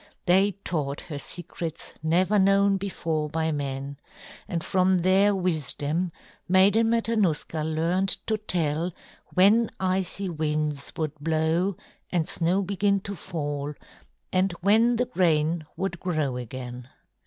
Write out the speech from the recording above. They taught her secrets never known before by men, and from their wisdom Maiden Matanuska learned to tell when icy winds would blow and snow begin to fall and when the grain would grow again.